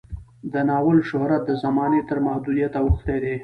د ناول شهرت د زمانې تر محدودیت اوښتی دی.